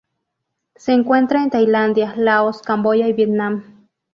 Se encuentra en Tailandia, Laos, Camboya y Vietnam.